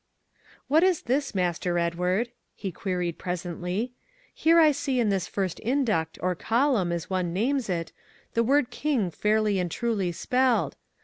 "What is this, Master Edward," he queried presently, "here I see in this first induct, or column, as one names it, the word King fairly and truly spelled.